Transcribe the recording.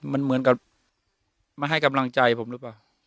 มันเหมือนกับมาให้กำลังใจผมหรือเปล่า